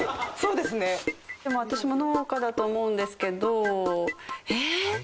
でも私も農家だと思うんですけど。